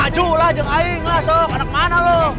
majulah jeng aing lah sok anak mana lo